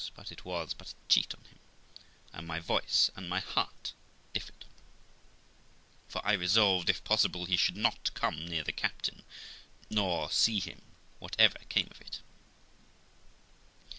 But it was but a cheat on him, and my voice and my heart differed ; for I resolved, if possible, he should not come near the captain, nor see him, whatever came of it.